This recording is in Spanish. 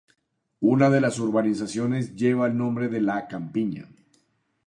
Una de las urbanizaciones lleva el nombre de La Campiña.